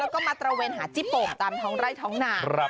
แล้วก็มาตระเวนหาจิโป่งตามท้องไร่ท้องนา